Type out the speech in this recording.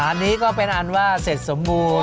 อันนี้ก็เป็นอันว่าเสร็จสมบูรณ์